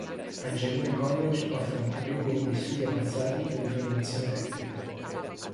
Angelina College offre un curriculum di studi avanzati e di formazione tecnica.